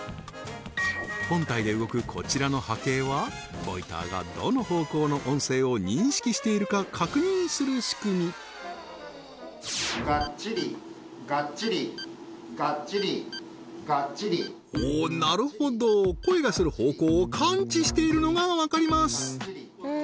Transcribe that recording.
本体で動くこちらの波形はＶＯＩＴＥＲがどの方向の音声を認識しているか確認する仕組みがっちりがっちりがっちりがっちりおなるほど声がする方向を感知しているのがわかります